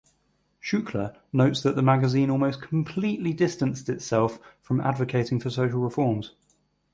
Shukla notes that the magazine almost completely distanced itself from advocating for social reforms.